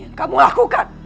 apa yang kamu lakukan